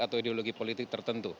atau ideologi politik tertentu